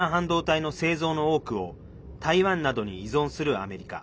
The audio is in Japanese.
現在、先端半導体の製造の多くを台湾などに依存するアメリカ。